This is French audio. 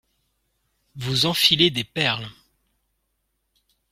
Vous enfilez des perles